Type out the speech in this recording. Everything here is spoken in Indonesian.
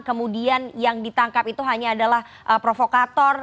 kemudian yang ditangkap itu hanya adalah provokator